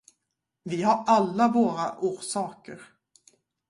Vi har alla våra orsaker.